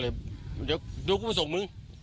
เดี๋ยวกูมาส่งมึง